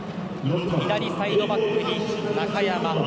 左サイドバックに中山。